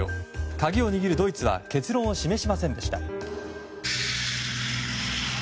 鍵を握るドイツは結論を示しませんでした。